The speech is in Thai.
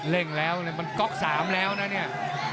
เล่นแล้วมันก๊อกสามแล้วนะเนี่ย